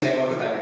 saya mau bertanya